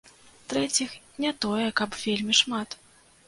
Трэціх не тое каб вельмі шмат.